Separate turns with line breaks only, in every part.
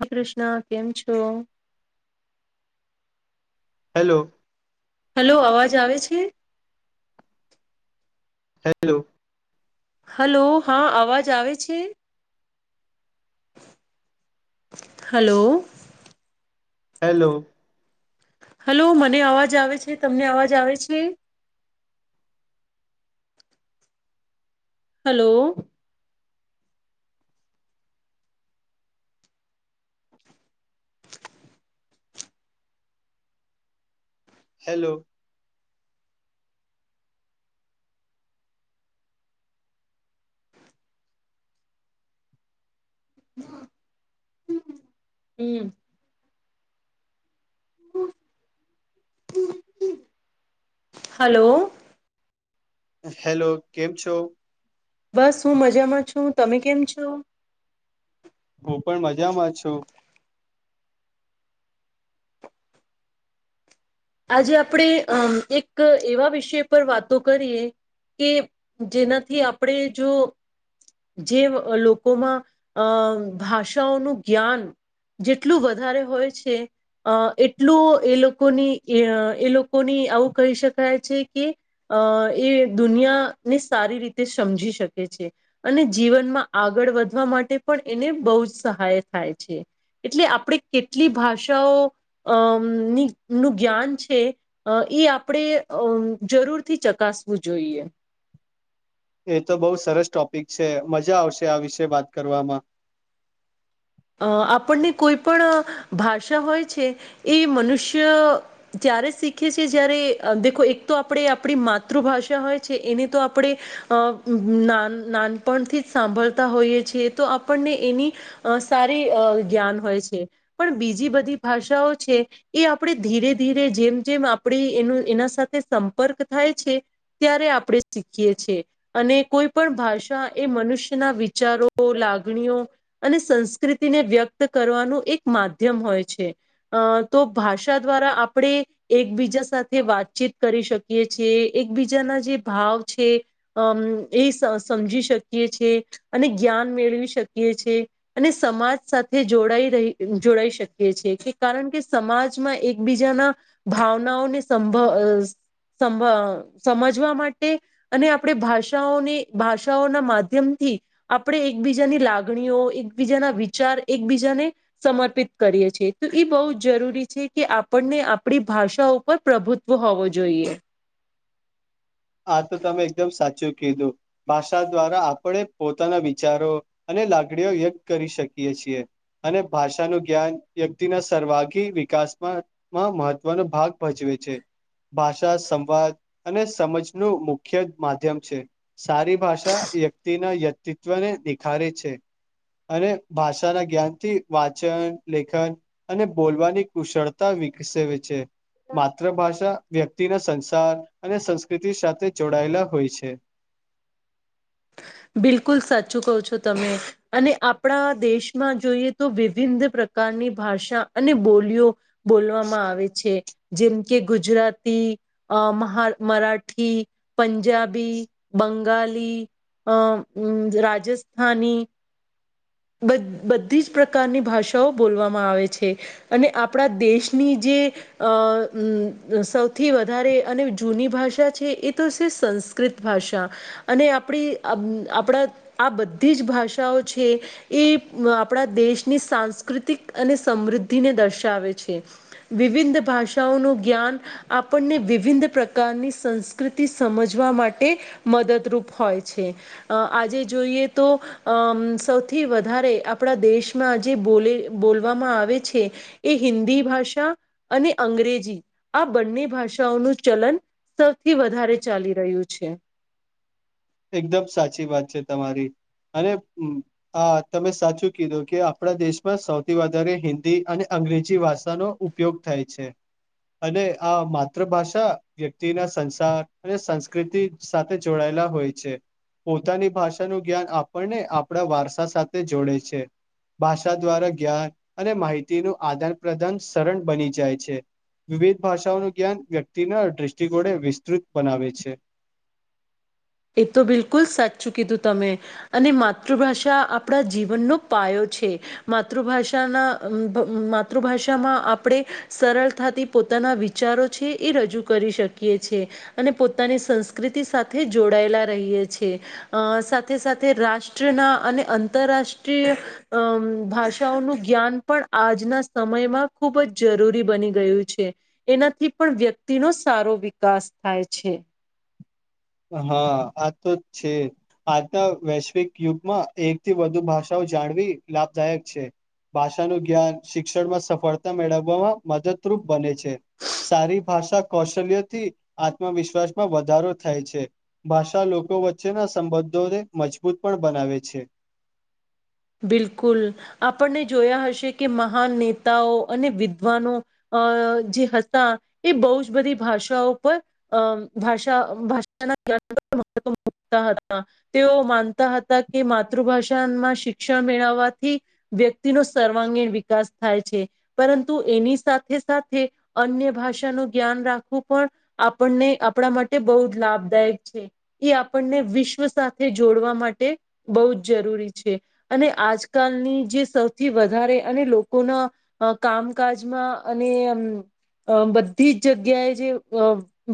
હ કૃષ્ણ કેમ છો
હેલો
હેલો અવાજ આવે છે
હેલો
હલો હા અવાજ આવે છે હલો
હલો
હલો મને અવાજ આવે છે તમને અવાજ આવે છે હલો
હેલો
હમ હલો
હેલો કેમ છો
બસ હું મજામાં છું તમે કેમ છો
હું પણ મજામાં છું
આજે આપણે અમ એક એવા વિષય પર વાતો કરીએ કે જેનાથી આપણે જો જે લોકોમાં અમ ભાષાઓનું જ્ઞાન જેટલું વધારે હોય છે અ એટલું એ લોકોની એ લોકોની આવું કહી શકાય છે કે અ એ દુનિયાને સારી રીતે સમજી શકે છે અને જીવનમાં આગળ વધવા માટે પણ એને બહુ જ સહાય થાય છે એટલે આપણે કેટલી ભાષાઓ અમની નું જ્ઞાન છે એ આપણે જરૂરથી ચકાસવું જોઈએ
[inaudible] એ તો બહુ સરસ ટોપિક છે મજા આવશે આ વિશે વાત કરવામાં
અ આપણને કોઈ પણ ભાષા હોય છે એ મનુષ્ય ત્યારે શીખીએ છીએ જ્યારે દેો એક તો આપણે આપણી માતૃભાષા હોય છે એને તો આપણે અ નાન નાનપણથી જ સાંભળતા હોઈએ છીએ તો આપણને એની સારી જ્ઞાન હોય છે પણ બીજી બધી ભાષાઓ છે એ આપણે ધીરે ધીરે જેમ જેમ આપડી એનું એના સાથે સંપર્ક થાય છે ત્યારે આપણે શીખીએ છ છેીએ અને કોઈ પણ ભાષા એ મનુષ્યના વિચારો લ લાગણીઓ અને સં સંકૃતિને વ્યક્ત કરવાનું એક માધ્યમ હોય છે અ તો ભાષા દ્વારા આપણે એકબીજા સાથે વાતચીત કરી શકીએીએ એકબીજાના જે ભાવ છે અમ એ સમજી શકીએ છે અને જ્ઞાન મેળવી શકીએ છેએ અને સમાજ સાથે જોડાઈ રહી જોડાઈ શકી છેએ કે કારણ કે સમાજમાં એકબીજાના ભાવનાઓને સંભવ સમ સમજવા માટે અને આપણે ભાષાઓની ભાષાઓના માધ્યમ આપણે એકબીજાની લાગણીઓ એક બીજાના વિચાર એકબીજાને સમર્પિત કરીએ છીએ તો એ બહુ જરૂરી છે કે આપણને આપણી ભાષા ઉપર પ્રભુત્વ હોવું જોઈએ
આ તો તમે એકદમ સાચું કીધું ભાષા દ્વારા આપણે પોતાના વિચારો અને લાકડીઓ યગ કરી શકીએ છીએ અને ભાષાનું જ્ઞાન વ્યક્તિના સર્વાગી વિકાસમાંમાં મહત્વનો ભાગ ભજવે છે ભાષા સંવાદ અને સમજ નું મુખ્ય માધ્યમ છે સારી ભાષા વ્યક્તિના વ્યક્તિત્વને નિખારે છે અને ભાષાના જ્ઞાનથી વાચન લેખન અને બોલવાની કુશળતા વિકસે છે માતૃભાષા વ્યક્તિના સંસાર અને સંસ કતિ સાથે જોડાયેલા હોય છે
બિલકુલ સાચું કહો છો તમે અને આપણા દેશમાં જોઈએ તો વિભિન પ્રકાર ની ભાષા અને બોલીઓ બોલવામાં આવે છે જેમ કે ગુજરાતી અ મહા મરાઠી પંજાબી બંગાલી અમ રાજસ્થાની
[inaudible]
બ બધી જ પ્રકારની ભાષાઓ બોલવામાં આવે છે અને આપણા દેશની જે અ સૌથી વધારે અને જૂની ભાષા છે એ તો છે સંસ્કૃત ભાષા અને આપણી આપણા આ બધી જ ભાષાઓ છે એ આપણા દેશની સાંસ સાૃત અને સમૃદ્ધિને દર્શાવે છે વિવિધ ભાષાઓનું જ્ઞાન આપણને વિવિધ પ્રકારની સંસ્કૃતિ સમજવા માટે મદદરૂપ હોય છે છે આજે જોઈએ તો સૌથી વધારે આપણા દેશમાં જે બોલવામાં આવે છે એ હિન્દી ભાષા અને અંગ્રેજી આ બ ની ભાષાઓનું ચલન સૌથી વધારે ચાલી રહ્યું છે
એકદમ સાચી વાત છે તમારી અને આ તમે સાચું કીધું કે આપણા દેશમાં સૌથી વધારે હિન્દી અને અંગ્રેજી ભાષાનો ઉપયોગ થાય છે અને આ માતૃભાષા વ્યક્તિના સંસાર અને સંસ્કૃતિ સાથે જોડાયેલા હોય છે પોતાની ભાષાનું જ્ઞાન આપણને આપણા વારસા સાથે જોડે છે ભાષા દ્વારા જ્ઞાન અને માહિતીનું આદાન પ્રદાન શરણ બની જાય છે વિવિધ ભાષાઓનું જ્ઞાન વ્યક્તિના દ્રષ્ટિકોણે વિસ્તૃત બનાવે છે [inaudible]
એ તો બિલકુલ સાચું કીધું તમે અને માતૃભાષા આપણા જીવનનો પાયો છે માતૃભાષા માતૃભાષામાં આપણે સરળતાથી પોતા ના વિચારો છે એ રજૂ કરી શકીએ છ છે અને પોતાની સંસ્કૃતિ સાથે જોડાયેલા રહીએ છીએ સાથે સાથે રાષ્ટ્રના અને આંતરરાષ્ટ્રીય અ ભાષાઓનું જ્ઞાન પણ આજના સમયમાં ખૂબ જ જરૂરી બની ગયું છે એનાથી પણ વ્યક્તિનો સારો વિકાસ થાય છે
હા આ તો છે આજના વૈશ્વિક યુગમાં એક થી વધુ ભાષાઓ જાણવી લાભદાયક છે ભાષાનું જ્ઞાન શિક્ષણમાં સફળતા મેળવવામાં મદદરૂપ બને છે સારી ભાષા કૌશલ્ય થી આત્મવિશ્વાસમાં વધારો થાય છે ભાષા લોકો વચ્ચેના સંબંધોને મજબૂત પણ બનાવે છે [inaudible]
બિલકુલ આપણને જોયા હશે કે મહાન નેતાઓ અને વિદ્વાનો અ જે હતા એ બહુ જ બધી ભાષાઓ પર અ ભાષા ભાષાના હતા તેઓ માનતા હતા કે માતૃભાષામાં શ શિક્ષણ મેળવવાથી વ્યક્તિનો સર્વાંગીણ વિકાસ થાય છે પરંતુ એની સાથે અન્ય ભાષાનું જ્ઞાન રાખવું પણ આપણને આપણા માટે બહુ જ લાભદાય છે એ આપણને વિશ્વ સાથે જોડવા માટે બહુ જ જરૂરી છે અને આજકાલની જે સૌથી વધારે અને લોકોના કામકાજમાં અને એ હમ અ બધી જ જગ્યાએ જે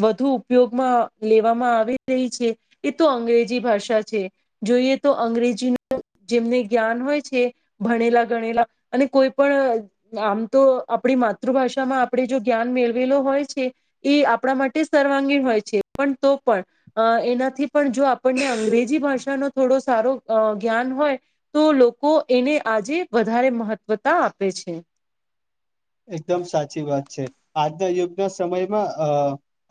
વધુ ઉપયોગમાં લેવામાં આવી રહી છે એ તો અંગ્રેજી ભાષા છે જોઈએ તો અંગ્રેજી ન જેમને જ્ઞાન હોય છે ભણેલા ગણેલા અને કોઈ પણ આમ તો આપણી માતૃભાષામાં આપણે જો જ્ઞાન મેળવેલો હોય છે એ આપણા માટે સર્વાંગીણ હોય છે પણ તો પણ એનાથી પણ જો આપણને અંગ્રેજી ભાષાનો થોડો સારો જ્ઞાન હોય તો લોકો એને આજે વધારે મહત્વતા આપે છે
એકદમ સાચી વાત છે આજના યુગના સમયમાં અ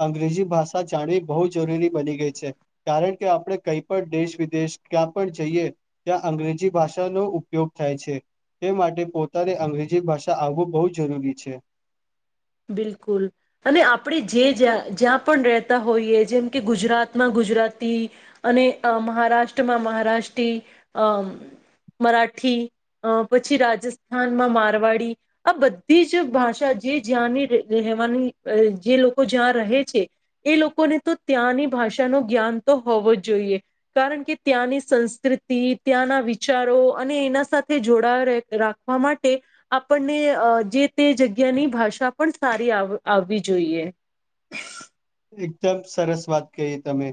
અંગ્રેજી ભાષા જાણી બહ જરૂરી બની ગઈ છે કારણ કે આપણે કઈ પણ દેશ વિદેશ ક્યાં પણ જઈએ ત્યાં અંગ્રેજી ભાષાનો ઉપયોગ થાય છે તે માટે પોતાને અંગ્રેજી ભાષા આવવું બહુ જ જરૂરી છે
બિલકુલ અને આપણે જે જ્યાં જ્યાં પણ રહેતા હોઈએ જેમ કે ગુજરાતમાં ગુજરાતી અને મહારાષ્ટ્રમાં મહારાષ્ટ્રી અ મરાઠી પછી રાજસ્થાનમાં મારવાડી આ બધી જ ભાષા જે જ્યાંની રહેવાની જે લોકો જ્યાં રહે છે એ લોકોને તો ત્યાંની ભાષા જ્ઞાન તો હોવો જ જોઈએ કારણ કે ત્યાંની સંસ્કૃતિ ત્યાંના વિચારો એના સાથે જોડ રાખવા માટે આપણને જે તે જગ્યાની ભાષા પણ સારી આવવી જોઈએ
એકદમ સરસ વાત કહીએ તમે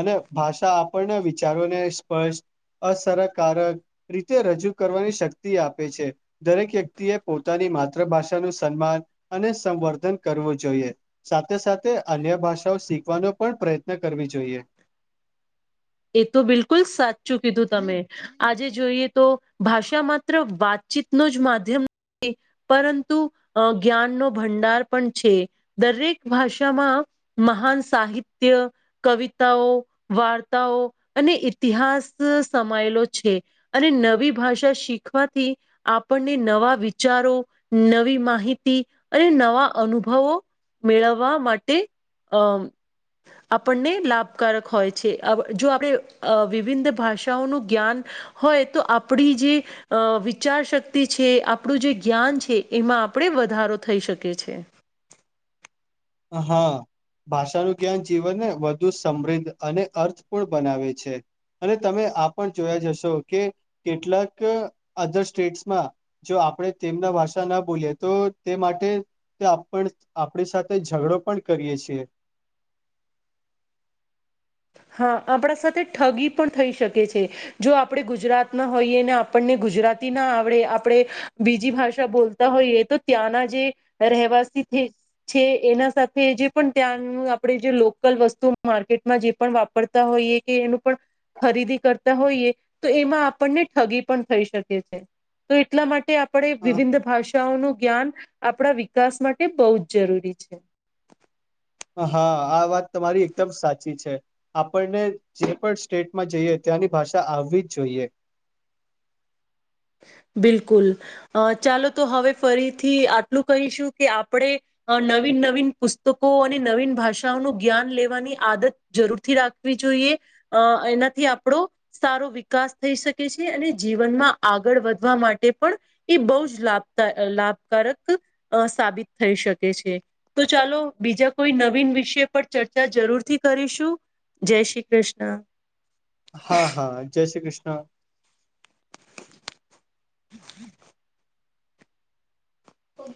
અને ભાષા આપણને વિચારોને સ્પર્ષ્ટ અસરકારક રીતે રજૂ કરવાની શક્તિ આપે છે દરેક વ્યક્તિએ પોતાની માતભાષાનુંું સન્માન અને સંવર્ધન કરવું જોઈએ સાથે સાથે અન્ય ભાષાઓ શીખવાનો પણ પ્રયત્ન કરવી જોઈએ
એ તો બિલકુલ સાચું કીધું તમે આજે જોઈએ તો ભાષા માત્ર વાત ચિતનો જ માધ્યમ- - પરંતુ જ્ઞાનનો ભંડાર પણ છે દરેક ભાષામાં- - મહાન સાહિત્ય કવિતાઓ વાર્તા- - અને ઇતિહાસ સમાયેલો છે અને નવી ભાષા શીખવાથી- - આપણને નવા વિચારો નવી માહિતી અને નવા અનુભવો- - મેળવવા માટે અમ આપણને લાભકારક હોય છે. જો આપણે વિવિધ ભાષાઓનું જ્ઞાન હોય તો આપણી જે- - વિચારશક્તિ છે આપણું જે જ્ઞાન છે એમાં આપણે વધારો થઈ શકી છે.
હા. ભાષાનું જ્ઞાન જીવનને વધુ સમૃદ્ધ અને અર્થપૂર્ણ બનાવે છે. અને તમે આ પણ જોયા જશો કે કેટલાક અધર સ્ટેટ્સમાં જો- - આપણે તેમના ભાષા ના બોલી તો તે માટે આપણી સાથે- - ઝઘડો પણ કરીએ છીએ.
હા આપણા સાથે ઠગી પણ થઈ શકે છે જો આપણે ગુજરાતના હોઈએ ને આપણને ગુજરા- - ગુજરાતી ના આવડે આપણે બીજી ભાષા બોલતા હોઈએ તો ત્યાંના જે રહેવાસી- - છે એના સાથે જે પણ ત્યાં આપણે જે લોકલ વસ્તુ માર્કેટમાં જે- - પણ વાપરતા હોઈએ કે એનું પણ- - ખરીદી કરતા હોઈએ તો એમાં આપણને ઠગી પણ થઈ શકે છે. તો એટલા માટે આપણે
હા
વિવિધ ભાષા- - ભાષા નું જ્ઞાન આપણા વિકાસ માટે બહુ જ જરૂરી છે.
હા આ વાત તમારી એકદમ સાચી છે આપણને જે પણ સ્ટેટમાં જઈ- - તેની ભાષા આવવી જ જોઈએ.
બિલકુલ ચાલો તો હવે ફરીથી આટલું કહીશું કે આપણે નવીન- - નવીન પુસ્તકો અને નવીન ભાષાઓનું જ્ઞાન લેવાની આદત જરૂરથી રાખવી જોઈએ. અ એનાથી આપણો સારો વિકાસ થઈ શકે છે અને જીવનમાં- - આગળ વધવા માટે પણ એ બહુ જ લાભ લાભકારક અ સાબિત થઈ શકે- - શકે છે તો ચાલો બીજા કોઈ નવીન વિષય પર ચર્ચા જરૂર થી કરીશું. જય શ્રી કૃષ્ણ.
હા હા જય શ્રી કૃષ્ણ.
[inaudible]